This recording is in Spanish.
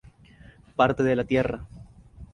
Parte de la tierra.